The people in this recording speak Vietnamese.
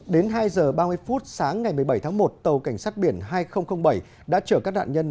đến hai h ba mươi phút sáng ngày một mươi bảy tháng một tàu cảnh sát biển hai nghìn bảy đã chở các nạn nhân